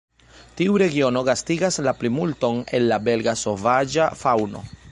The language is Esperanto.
Tiu regiono gastigas la plimulton el la belga sovaĝa faŭno.